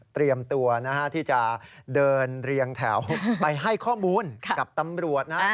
เตรียมตัวที่จะเดินเรียงแถวไปให้ข้อมูลกับตำรวจนะ